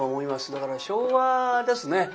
だから昭和ですね。